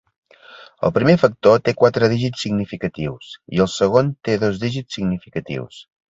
El primer factor té quatre dígits significatius i el segon té dos dígits significatius.